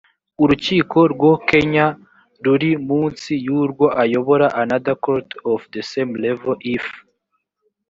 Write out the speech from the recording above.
urukiko rwo kenya ruri munsi y’urwo ayobora another court of the same level if